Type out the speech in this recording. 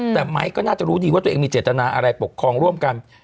แต่ไม้ก็น่าจะรู้ดีว่าตัวเองมีเจตนาอะไรปกครองร่วมกัน